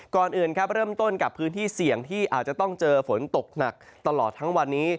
ก่อนอื่นครับเริ่มต้นกับพื้นที่เสี่ยงที่อาจจะต้องเจอฝนตกหนักตลอดทั้งวันนี้